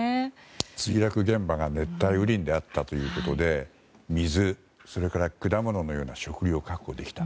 墜落現場が熱帯雨林だったということで水、それから果物のような食料を確保できた。